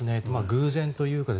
偶然というか。